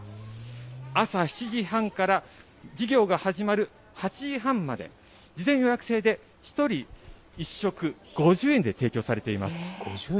朝７時半から、授業が始まる８時半まで、事前予約制で、１人１食５０円で提供されています。